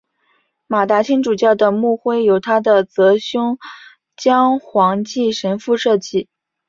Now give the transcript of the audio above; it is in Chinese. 马达钦主教的牧徽由他的铎兄蒋煌纪神父设计。